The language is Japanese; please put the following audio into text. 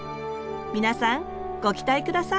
皆さんご期待ください